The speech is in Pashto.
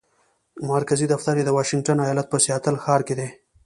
مرکزي دفتر یې د واشنګټن ایالت په سیاتل ښار کې دی.